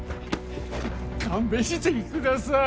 勘弁してください。